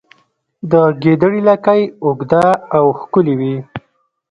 د ګیدړې لکۍ اوږده او ښکلې وي